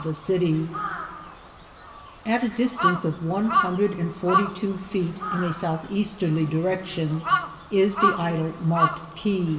153 At a diBtanoe of one hundred and forty two feet in a 8omhea8terlj direction is the idol marked P.